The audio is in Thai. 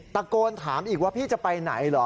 ตะโกนถามอีกว่าพี่จะไปไหนเหรอ